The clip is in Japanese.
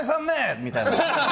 みたいな。